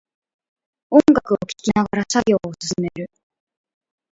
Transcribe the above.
音楽を聴きながら作業を進める